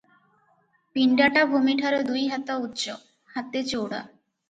ପିଣ୍ଡାଟା ଭୂମିଠାରୁ ଦୁଇହାତ ଉଚ୍ଚ, ହାତେ ଚଉଡ଼ା ।